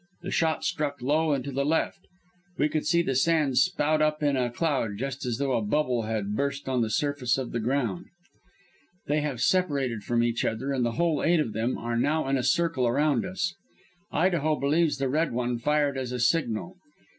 The shot struck low and to the left. We could see the sand spout up in a cloud just as though a bubble had burst on the surface of the ground. "They have separated from each other, and the whole eight of them are now in a circle around us. Idaho believes the Red One fired as a signal.